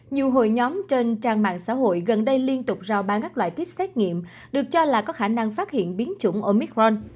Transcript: nhiều hội nhóm trên trang mạng xã hội gần đây liên tục rào bán các loại kit xét nghiệm được cho là có khả năng phát hiện biến chủng omicron